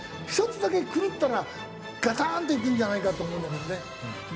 １つだけ狂ったらガタン！といくんじゃないかと思うんだけどね。